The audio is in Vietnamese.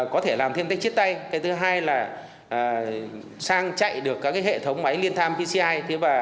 có thể làm thêm tách chiết tay cái thứ hai là sang chạy được các hệ thống máy liên tham pcr